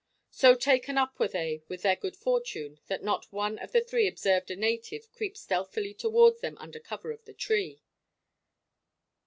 So taken up were they with their good fortune that not one of the three observed a native creep stealthily towards them under cover of the tree.